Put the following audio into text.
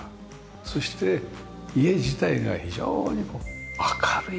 そして家自体が非常に明るいですよね。